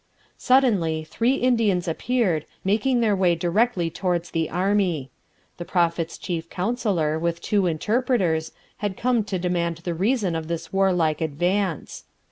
Suddenly three Indians appeared, making their way directly towards the army. The Prophet's chief counsellor, with two interpreters, had come to demand the reason of this warlike advance.